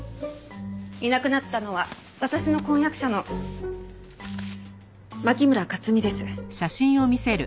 いなくなったのは私の婚約者の牧村克実です。